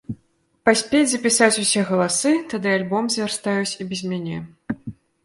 Паспець запісаць усе галасы, тады альбом звярстаюць і без мяне.